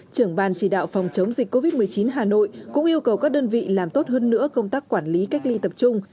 trưởng ban chỉ đạo phòng chống dịch covid một mươi chín hà nội cũng yêu cầu các đơn vị làm tốt hơn nữa công tác quản lý cách ly tập trung